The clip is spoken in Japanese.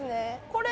これ？